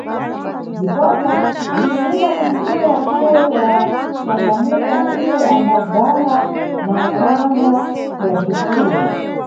Ndipopa bzinʼfunika kuti iye akhale wa cangamuka, iye ambabvala makanda ya bzifuwo.